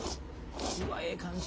うわっええ感じ。